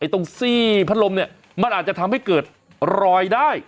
ตรงซี่พัดลมเนี่ยมันอาจจะทำให้เกิดรอยได้